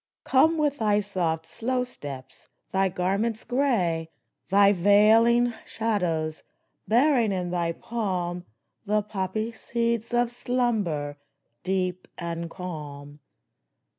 Come with thy soft, slow steps, thy garments gray, Thy veiling shadows, bearing in thy palm The poppy seeds of slumber, deep and calm